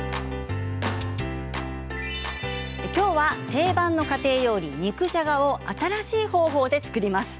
今日は定番の家庭料理肉じゃがを新しい方法で作ります。